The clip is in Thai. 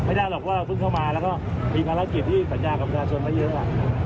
ไม่ได้หรอกว่าเพิ่งเข้ามาแล้วก็มีภารกิจที่สัญญากับประชาชนมาเยอะ